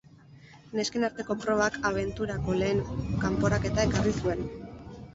Nesken arteko probak abenturako lehen kanporaketa ekarri zuen.